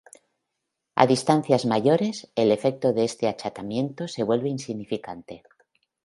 A distancias mayores, el efecto de este achatamiento se vuelve insignificante.